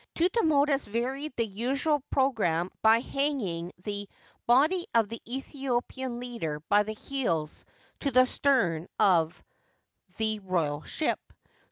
Thutmosis varied the usual programme by hanging the body of the Aethiopian leader by the heels to the stem of the royal ship.